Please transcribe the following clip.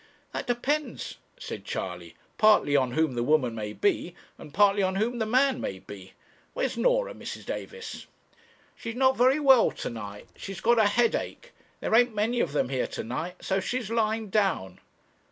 'That depends,' said Charley, 'partly on whom the woman may be, and partly on whom the man may be. Where's Norah, Mrs. Davis?' 'She's not very well to night; she has got a headache; there ain't many of them here to night, so she's lying down.'